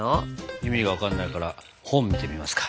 意味が分かんないから本見てみますか。